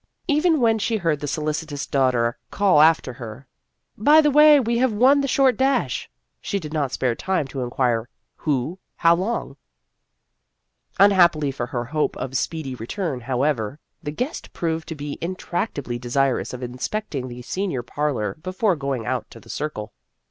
Even when she heard the solicitous daughter call after her, " By the way, we have won the short dash," she did not spare time to inquire, " Who ? How long ?" Unhappily for her hope of speedy re turn, however, the guest proved to be in tractably desirous of inspecting the senior parlor before going out to the Circle.